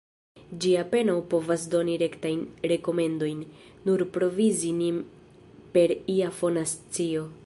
Ĝi apenaŭ povas doni rektajn rekomendojn; nur provizi nin per ia fona scio.